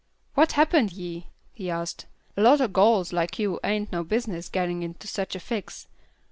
"What happened ye?" he asked. "A lot o' gals like you ain't no business gittin' into such a fix.